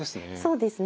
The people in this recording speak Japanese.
そうですね。